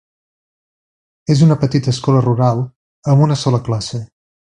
És una petita escola rural amb una sola classe.